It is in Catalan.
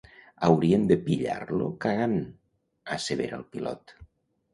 Hauríem de pillar-lo cagant —assevera el Pilot.